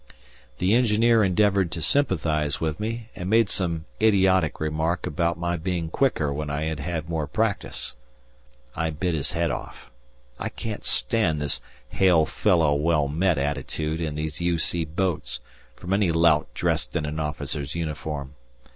The engineer endeavoured to sympathize with me, and made some idiotic remark about my being quicker when I had had more practice. I bit his head off. I can't stand this hail fellow well met attitude in these U.C. boats, from any lout dressed in an officer's uniform.